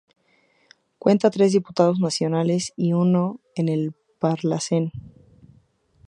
Cuenta con tres diputados nacionales y uno en el Parlacen.